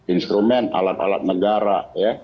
instrumen alat alat negara